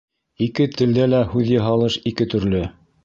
Ике телдә лә һүҙъяһалыш ике төрлө.